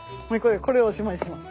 これおしまいにします。